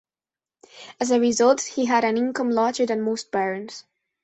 As a result, he had an income larger than most barons.